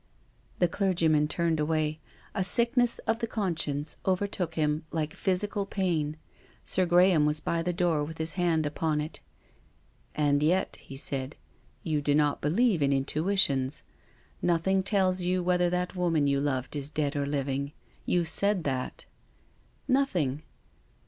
The clergyman turned away. A sickness of the conscience overtook him like physical pain. Sir Graham was by the door with his hand upon it. " And yet," he said, " you do not believe in in 62 TONGUES OF CONSCIENCE. tuitions. Nothing tells you whether that woman you loved is dead or living. You said that." " Nothing."